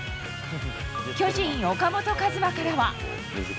巨人、岡本和真からは。